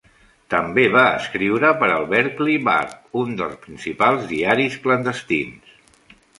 També va escriure per al "Berkeley Barb", un dels principals diaris clandestins.